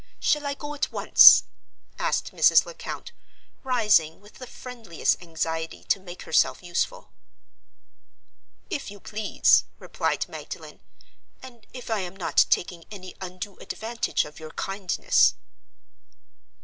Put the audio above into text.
Shall I go at once?" asked Mrs. Lecount, rising, with the friendliest anxiety to make herself useful. "If you please," replied Magdalen; "and if I am not taking any undue advantage of your kindness."